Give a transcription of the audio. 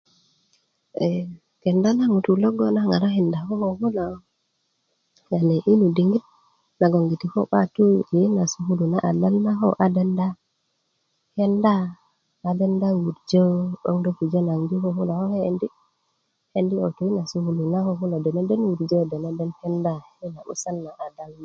e kenda na ŋutu logo na ŋarakinda koko kulo yani yi nu diŋit nagon giti ko 'ban yitu yi na sukulu na adal na ko a denda kenda a denda wurujö 'bong do pujö naŋ di ko ke ko tu yi na sukulu na ko kulo bulöni bulö kenda ko 'busan na adal na